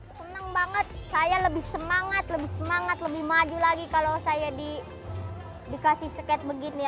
senang banget saya lebih semangat lebih semangat lebih maju lagi kalau saya dikasih sket begini